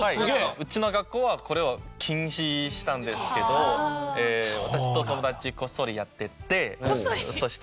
うちの学校はこれを禁止したんですけど私と友達こっそりやってってそして。